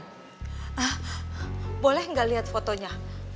hah boleh nggak lihat fotonya